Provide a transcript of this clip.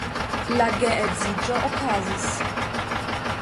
La geedziĝo okazis.